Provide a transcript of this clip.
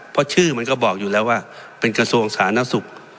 เพราะชื่อมันก็บอกอยู่แล้วว่าเป็นกระทรวงสาธารณสุข